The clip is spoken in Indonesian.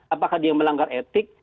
apakah dia melanggar etik